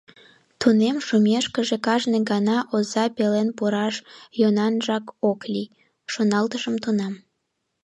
«Тунем шумешкыже кажне гана оза пелен пураш йӧнанжак ок лий», — шоналтышым тунам.